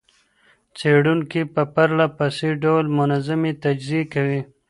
څیړونکي په پرله پسې ډول منظمي تجزیې کوي.